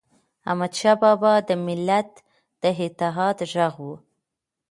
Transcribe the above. احمدشاه بابا د ملت د اتحاد ږغ و.